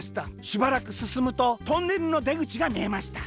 しばらくすすむとトンネルのでぐちがみえました。